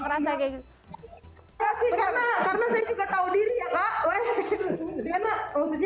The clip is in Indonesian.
kerasa kayak karena saya juga tahu diri ya kak weh maksudnya kan kita juga tahu yang maksudnya kan kak guys kan juga udah lebih senior daripada saya